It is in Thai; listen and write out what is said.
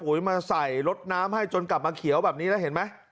มาใส่ลดน้ำให้จนกลับมาเขียวแบบนี้แล้วเห็นไหม